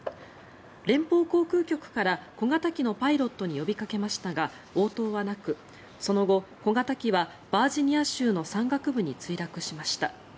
連邦航空局から小型機のパイロットに呼びかけましたが応答はなくその後、小型機はバージニア州の山岳部に墜落しました。